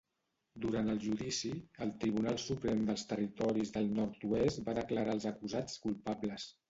Durant el judici, el Tribunal Suprem dels Territoris del Nord-oest va declarar els acusats culpables.